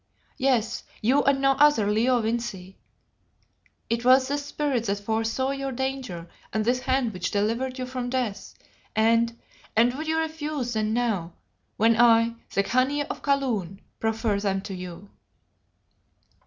Yes, you and no other, Leo Vincey. It was this spirit that foresaw your danger and this hand which delivered you from death, and and would you refuse them now when I, the Khania of Kaloon, proffer them to you?"